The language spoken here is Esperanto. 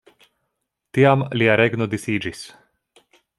Tiam lia regno disiĝis.